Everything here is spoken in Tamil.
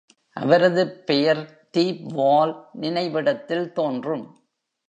அவரது பெயர் தீப்வால் நினைவிடத்தில் தோன்றும்.